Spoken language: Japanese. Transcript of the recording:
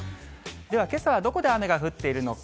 では、けさはどこで雨が降っているのか。